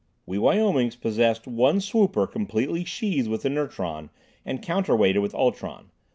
We Wyomings possessed one swooper completely sheathed with inertron and counterweighted with ultron.